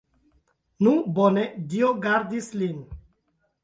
Nu, bone, Dio gardis lin!